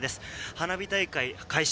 花火大会開始